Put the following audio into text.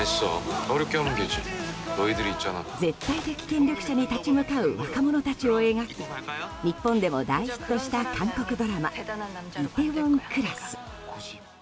絶対的権力者に立ち向かう若者たちを描き日本でも大ヒットした韓国ドラマ「梨泰院クラス」。